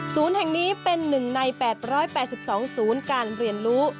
แห่งนี้เป็น๑ใน๘๘๒ศูนย์การเรียนรู้